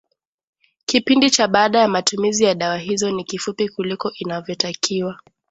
kipindi cha baada ya matumizi ya dawa hizo ni kifupi kuliko inavyotakiwa